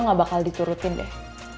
gak bakal diturutin deh